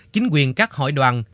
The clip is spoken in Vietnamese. chính quyền các hội đoàn